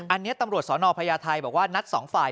อันนี้ตำรวจสนพญาไทยบอกว่านัดสองฝ่าย